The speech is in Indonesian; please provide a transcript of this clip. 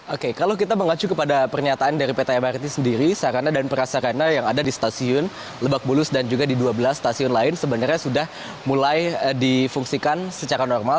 oke kalau kita mengacu kepada pernyataan dari pt mrt sendiri sarana dan prasarana yang ada di stasiun lebak bulus dan juga di dua belas stasiun lain sebenarnya sudah mulai difungsikan secara normal